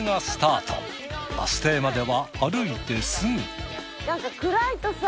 バス停までは歩いてすぐ。